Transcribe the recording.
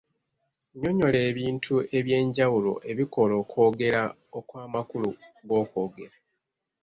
Nnyonnyola ebintu eby'enjawulo ebikola okwogera okw'amakulu g'okwogera